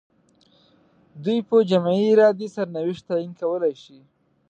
دوی په جمعي ارادې سرنوشت تعیین کولای شي.